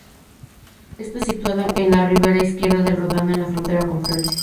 Está situada en la ribera izquierda del Ródano, en la frontera con Francia.